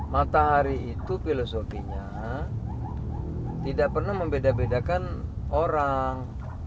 matahari itu filosofinya tidak pernah membeda bedakan orang